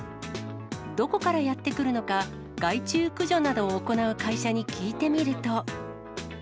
どこからやって来るのか、害虫駆除などを行う会社に聞いてみると。